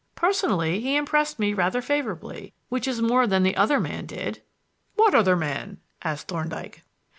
Personally, he impressed me rather favorably, which is more than the other man did." "What other man?" asked Thorndyke.